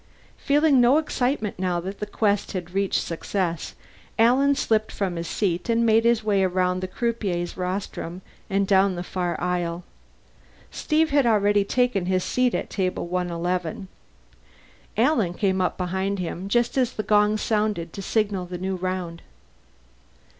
Feeling no excitement now that the quest had reached success, Alan slipped from his seat and made his way around the croupier's rostrum and down the far aisle. Steve had already taken his seat at Table 111. Alan came up behind him, just as the gong sounded to signal the new round.